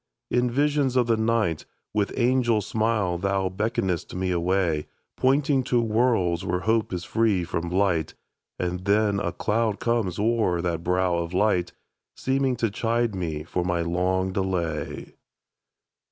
In visions of the night With angel smile thou beckon'st me away, Pointing to worlds where hope is free from blight; And then a cloud comes o'er that brow of light, Seeming to chide me for my long delay.